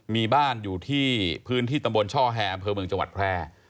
มีบ้านอยู่ที่พื้นที่ตำบลช่อแฮอำเภอเมืองจังหวัดแพร่